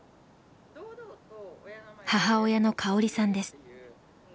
母親の香織さんです。